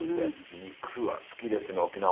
肉は好きですね沖縄。